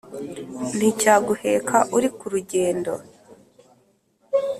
Nticyaguheka uri ku rugendo